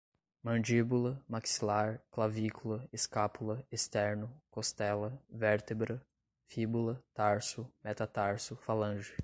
mandíbula, maxilar, clavícula, escápula, esterno, costela, vértebra, fíbula, tarso, metatarso, falange